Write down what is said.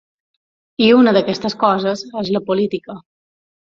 I una d’aquestes coses és la política.